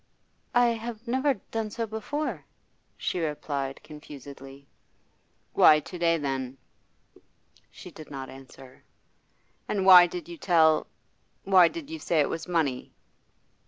'I have never done so before,' she replied confusedly. 'Why to day, then?' She did not answer. 'And why did you tell why did you say it was money?